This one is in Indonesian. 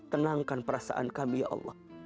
tenangkan perasaan kami ya allah